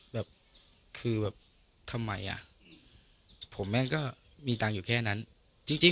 แบบคือแบบทำไมอ่ะผมแม่ก็มีตังค์อยู่แค่นั้นจริง